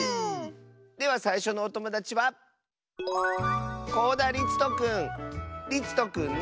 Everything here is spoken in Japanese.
ではさいしょのおともだちはりつとくんの。